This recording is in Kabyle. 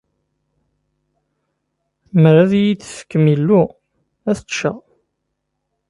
Mer ad iyi-d-tefkeḍ ilu, ad t-ččeɣ.